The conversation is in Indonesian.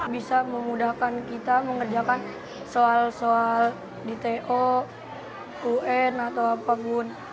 bisa memudahkan kita mengerjakan soal soal dto un atau apapun